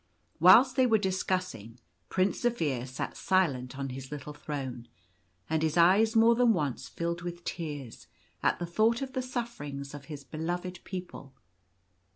Whilst they were discussing, Prince Zaphir sat silent on his little throne ; and his eyes more than once filled with tears at the thought of the sufferings of his beloved people.